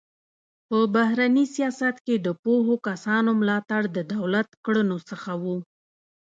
په بهرني سیاست کې د پوهو کسانو ملاتړ د دولت کړنو څخه و.